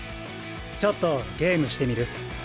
ちょっとゲームしてみる？